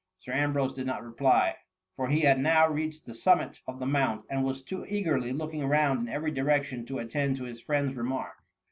Sir Ambrose did not reply, for he had now reached the summit of the mount, and was too eagerly looking round in every direction to at tend to his friend's remark.